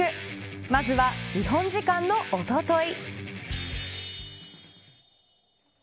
まずは日本時間のおととい。